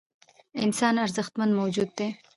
انسان ارزښتمن موجود دی .